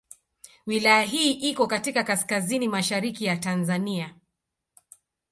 Wilaya hii iko katika kaskazini mashariki ya Tanzania.